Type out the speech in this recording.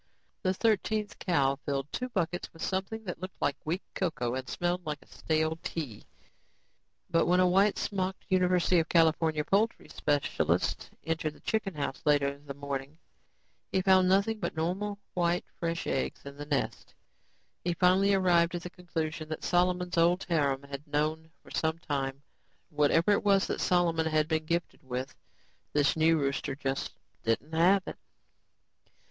The thirteenth cow filled two buckets with something that looked like weak cocoa and smelled like stale tea. But when a white smocked University of California poultry specialist entered the chicken house later in the morning, he found nothing but normal, white fresh eggs in the nests. He finally arrived at the conclusion that Solomon's old harem had known for some time; whatever it was that Solomon had been gifted with, this new rooster just didn't have it.